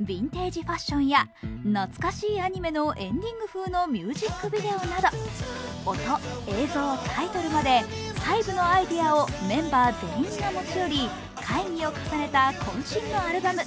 ビンテージファッションや懐かしいアニメのエンディング風のミュージックビデオなど音、映像、タイトルまで細部のアイデアをメンバー全員が持ち寄り会議を重ねたこん身のアルバム